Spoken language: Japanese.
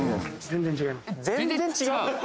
全然違う？